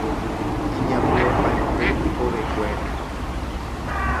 Iñambuepaite hekovekuéra.